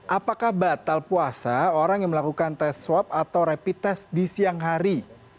apakah batal puasa orang yang melakukan tes swab atau rapid test di siang hari